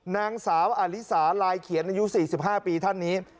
นางสาวอลิสาลายเขียนอายุ๔๕ปีท่านนี้